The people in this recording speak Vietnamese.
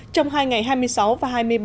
trong hai ngày hai mươi sáu và hai mươi bảy